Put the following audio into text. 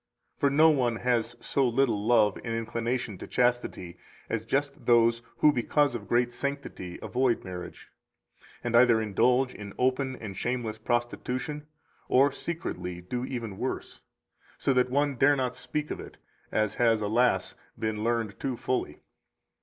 214 For no one has so little love and inclination to chastity as just those who because of great sanctity avoid marriage, and either indulge in open and shameless prostitution, or secretly do even worse, so that one dare not speak of it, as has, alas! been learned too fully.